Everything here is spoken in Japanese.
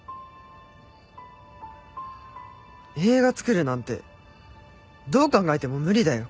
映画作るなんてどう考えても無理だよ。